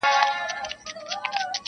• پروازونه یې څښتن ته تماشا وه -